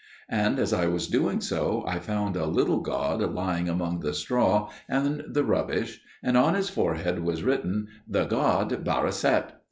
And as I was doing so, I found a little god lying among the straw and the rubbish, and on his forehead was written: "The god Barisat."